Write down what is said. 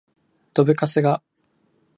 どぶカスが